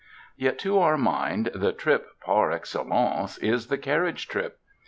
Yet to our mind, the trip par excellence is the carriage trip.